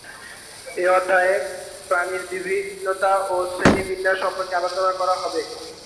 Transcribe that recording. এ অধ্যায়ে প্রাণীর বিভিন্নতা ও শ্রেণীবিন্যাস সম্পর্কে আলোচনা করা হবে।